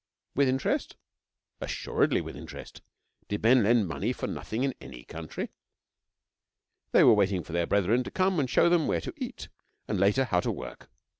With interest? Assuredly with interest.. Did men lend money for nothing in any country? They were waiting for their brethren to come and show them where to eat, and later, how to work.